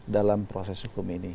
dalam proses hukum ini